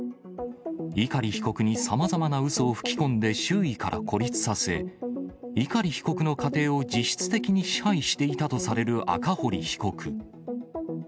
碇被告にさまざまなうそを吹き込んで周囲から孤立させ、碇被告の家庭を実質的に支配していたとされる赤堀被告。